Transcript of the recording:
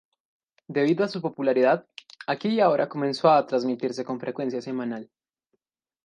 Debido a su popularidad, Aquí y Ahora comenzó a transmitirse con frecuencia semanal.